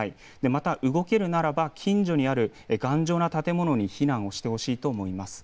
また、動けるならば近所にある頑丈な建物に避難をしてほしいと思います。